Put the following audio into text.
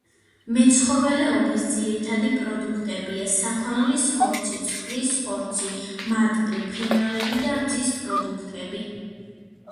მეცხოველეობის ძირითადი პროდუქტებია: საქონლის ხორცი, ცხვრის ხორცი, მატყლი, ფრინველები და რძის პროდუქტები.